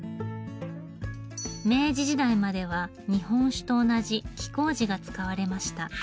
明治時代までは日本酒と同じ黄麹が使われました。